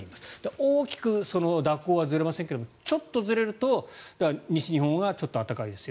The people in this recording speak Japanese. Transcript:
大きく蛇行はずれませんがちょっとずれると西日本はちょっと暖かいですよ